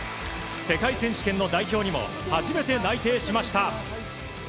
世界選手権の代表にも初めて内定しました。